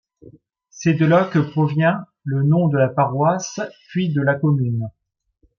C'est de là que provient le nom de la paroisse, puis de la commune.